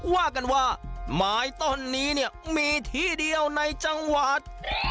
ว่ากันว่าไม้ต้นนี้เนี่ยมีที่เดียวในจังหวัด